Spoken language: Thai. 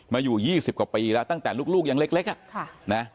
มาอยู่๒๐กว่าปีแล้วตั้งแต่ลูกยังเล็ก